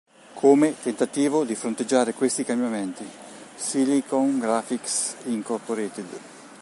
Come tentativo di fronteggiare questi cambiamenti, Silicon Graphics Inc.